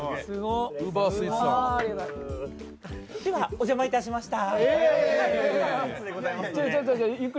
お邪魔いたしました。